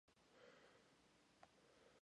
Mittal the largest steel maker in the world.